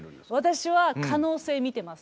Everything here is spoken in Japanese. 私は可能性見てます。